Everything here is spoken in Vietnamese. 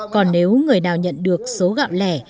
còn nếu người nào nhận được số gạo lẻ